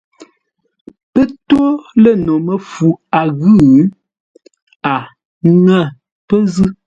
Pə́ tô lə́ no məfu a ghʉ̂, a ŋə̂ pə́ zʉ̂.